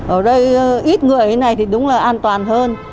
ở đây ít người như này thì đúng là an toàn hơn